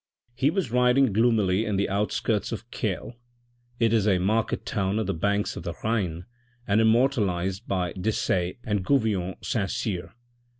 " He was riding gloomily in the outskirts of Kehl; it is a market town on the banks of the Rhine and immortalised by Desaix and Gouvion Saint Cyr.